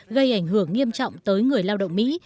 gây ảnh hưởng nghiêm trọng tới người lao động